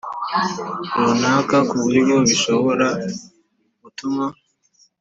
runaka ku buryo bishobora gutuma